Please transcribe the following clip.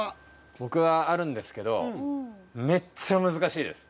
僕はあるんですけどめっちゃ難しいです。